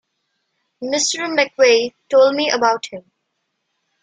Mr McVeigh told me about him.